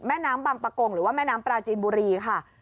แม่น้ำบังปะกงหรือว่าแม่น้ำปลาจีนบุรีค่ะ